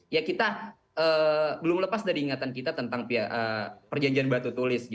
ya kita belum lepas dari ingatan kita tentang perjanjian batu tulis